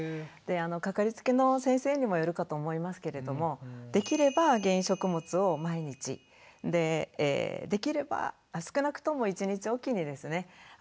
かかりつけの先生にもよるかと思いますけれどもできれば原因食物を毎日でできれば少なくとも一日おきにですね